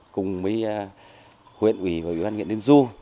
cùng với huyện ủy và huyện huyện liên du